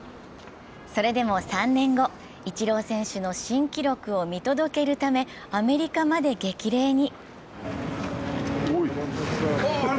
それでも３年後、イチロー選手の新記録を見届けるためアメリカまで激励に。